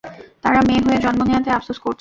তারা মেয়ে হয়ে জন্ম নেয়াতে আফসোস করছে।